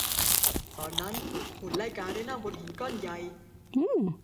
ตอนนั้นหุ่นไล่กาได้นั่งบนหินก้อนใหญ่